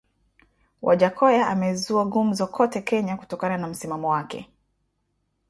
Wajackoya amezua gumzo kote Kenya kutokana na msimamo wake